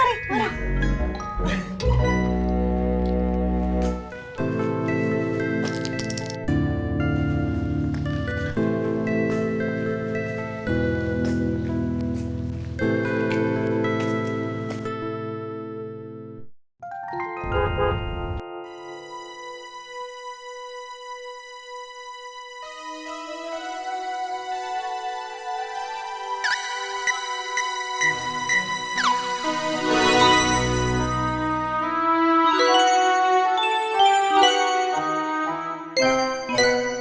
ibu dari rumah